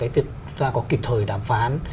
việc chúng ta có kịp thời đàm phán